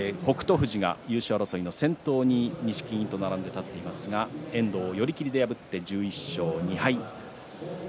富士、優勝争いの先頭に錦木と並んで勝っていますが遠藤を破って１１勝２敗です。